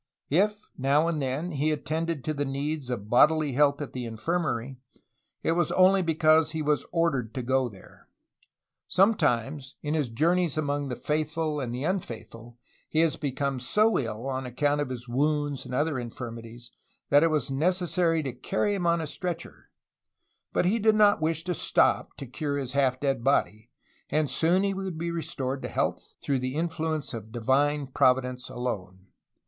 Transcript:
If now and then he attended to the needs of bodily health at the infirmary, it was only because he was ordered to go there. Sometimes, in his journeys among the faithful and the unfaithful he has become so ill, on account of wounds and other infirmities, that it was neces sary to carry him on a stretcher, but he did not wish to stop to cure his half dead body; and soon he would be restored to health, through the influence of the Divine Providence alone.